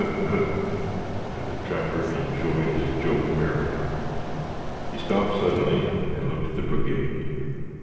ogh!" and the trapper enjoyed his joke merrily. He stopped suddenly and looked at the brigade.